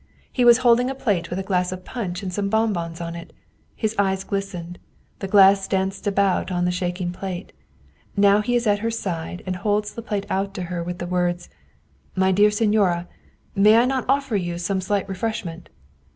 He was holding a plate with a glass of punch and some bonbons on it; his eyes glistened; the glass danced about on the shaking plate. Now he is at her side and holds the plate out to her with the words, " My dear signora, may I not offer you some slight re freshment?